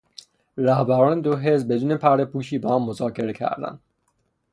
رهبران دو حزب بدون پردهپوشی با هم مذاکره کردند.